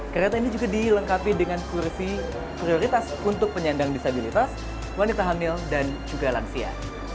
kereta ini juga dilengkapi dengan kursi prioritas untuk penyandang disabilitas wanita hamil dan juga lansia